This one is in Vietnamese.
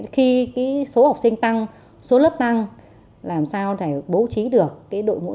khi số học sinh tăng số lớp tăng làm sao để bố trí được đội ngũ giáo dục